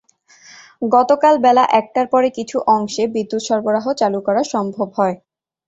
গতকাল বেলা একটার পরে কিছু অংশে বিদ্যুৎ সরবরাহ চালু করা সম্ভব হয়।